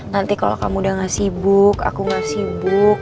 nanti kalau kamu udah gak sibuk aku gak sibuk